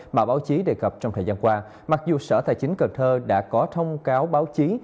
mà báo chí đề cập trong thời gian qua mặc dù sở tài chính cần thơ đã có thông cáo báo chí